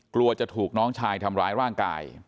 กลัวจะถูกน้องชายทำร้ายร่างกาย